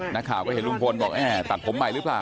นักข่าวก็เห็นลุงพลบอกตัดผมใหม่หรือเปล่า